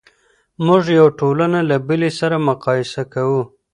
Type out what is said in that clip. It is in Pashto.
موږ یوه ټولنه له بلې سره مقایسه کوو.